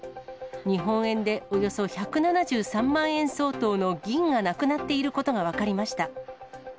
日本円でおよそ１７３万円相当の銀がなくなっていることが分かりました。